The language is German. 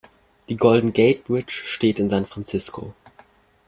Die Golden Gate Bridge steht in San Francisco.